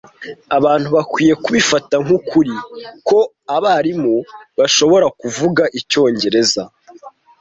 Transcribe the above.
Abantu bakwiriye kubifata nkukuri ko abarimu bashobora kuvuga icyongereza.